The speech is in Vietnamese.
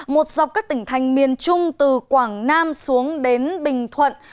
một dọc các tỉnh thành miền trung từ quảng nam xuống đến bình thuận